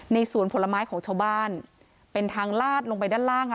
สวนผลไม้ของชาวบ้านเป็นทางลาดลงไปด้านล่างอ่ะ